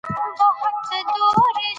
د عشق او معنوي سفرونو موضوعات وړاندې کوي.